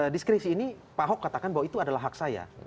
diskresi ini pak ahok katakan bahwa itu adalah hak saya